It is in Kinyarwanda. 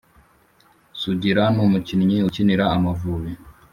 Sugira n’umukinyi ukinira amavubi